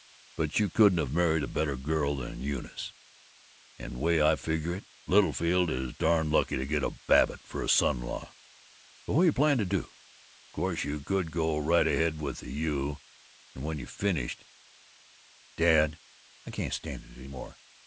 But you couldn't have married a better girl than Eunice; and way I figure it, Littlefield is darn lucky to get a Babbitt for a son in law! But what do you plan to do? Course you could go right ahead with the U., and when you'd finished " "Dad, I can't stand it any more.